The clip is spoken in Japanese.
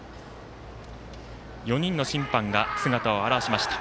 ４人の審判が姿を現しました。